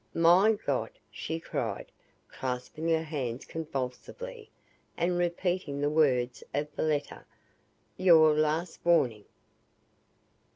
"My God!" she cried, clasping her hands convulsively and repeating the words of the letter. "YOUR LAST WARNING!"